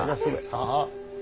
ああ？